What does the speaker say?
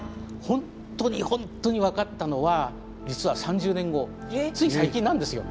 本当に本当に分かったのは実は３０年後つい最近なんですよ。へえ！